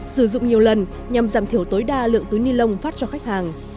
sử dụng nhiều lần nhằm giảm thiểu tối đa lượng túi ni lông phát cho khách hàng